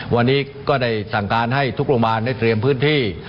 วันนี้ก็ได้สั่งการให้ทุกโรงพยาบาลได้เตรียมพื้นที่